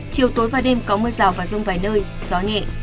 chiều tối và đêm có mưa rào và rông vài nơi gió nhẹ